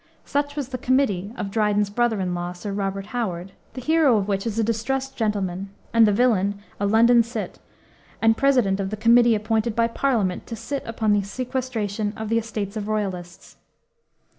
Such was the Committee of Dryden's brother in law, Sir Robert Howard, the hero of which is a distressed gentleman, and the villain a London cit, and president of the committee appointed by Parliament to sit upon the sequestration of the estates of royalists.